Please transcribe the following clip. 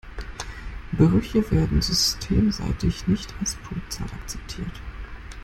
Brüche werden systemseitig nicht als Punktzahl akzeptiert.